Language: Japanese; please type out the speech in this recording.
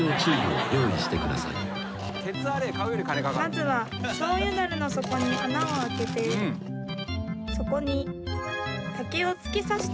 「まずはしょうゆだるの底に穴を開けてそこに竹を突き刺していきます」